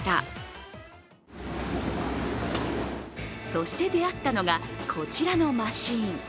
そして出会ったのがこちらのマシーン。